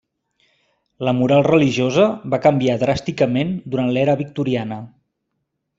La moral religiosa va canviar dràsticament durant l'era victoriana.